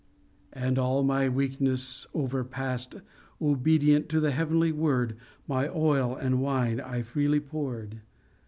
And, all my weakness overpast, Obedient to the heavenly word, My oil and wine I freely poured.